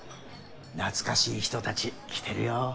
懐かしい人達来てるよ